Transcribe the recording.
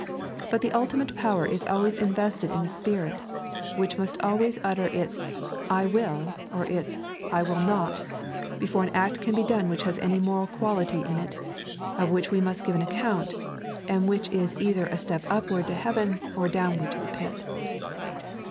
But the ultimate power is always invested in the spirit, which must always utter its / wiU I or its / wUl not ! before an act can be done which has any moral quality in it, of which we must give an account, and which is either a step upward to heaven or downward to the pit.